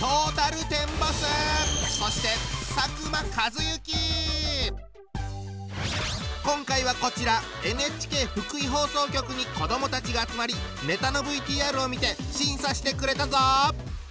そして今回はこちらＮＨＫ福井放送局に子どもたちが集まりネタのＶＴＲを見て審査してくれたぞ。